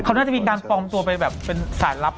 เขาน่าจะมีการปลอมตัวไปแบบเป็นสายลับ